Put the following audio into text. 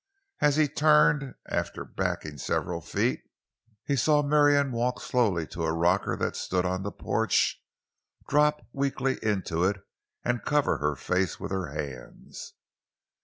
As he turned, after backing several feet, he saw Marion walk slowly to a rocker that stood on the porch, drop weakly into it and cover her face with her hands.